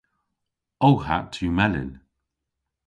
Ow hatt yw melyn.